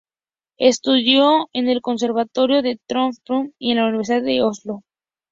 Estudió en el conservatorio de Trondheim y en la Universidad de Oslo.